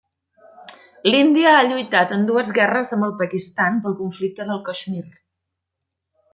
L'Índia ha lluitat en dues guerres amb el Pakistan pel Conflicte del Caixmir.